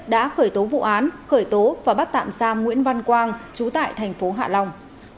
đã khởi tố vụ án khởi tố và bắt tạm giam nguyễn văn quang chú tại thành phố hạ long